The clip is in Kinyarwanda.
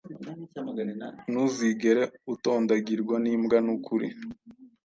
Ntuzigere utondagirwa nimbwa nukuri